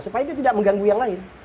supaya dia tidak mengganggu yang lain